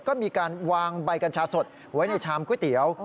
ก็มีการวางใบกัญชาสดไว้ในชามก๋วยเตี๋ยว